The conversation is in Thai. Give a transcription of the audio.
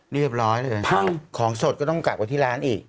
เรียบร้อยเลยพังของสดก็ต้องกักไว้ที่ร้านอีก